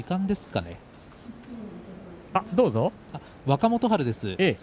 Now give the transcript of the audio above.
若元春です。